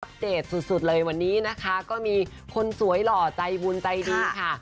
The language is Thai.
เดตสุดเลยวันนี้นะคะก็มีคนสวยหล่อใจบุญใจดีค่ะ